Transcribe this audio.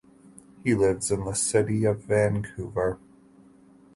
He lives in the City of Vancouver.